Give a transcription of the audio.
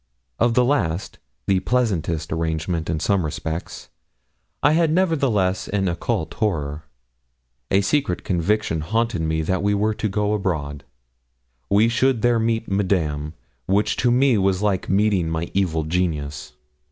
Of the last the pleasantest arrangement, in some respects I had nevertheless an occult horror. A secret conviction haunted me that were we to go abroad, we should there meet Madame, which to me was like meeting my evil genius.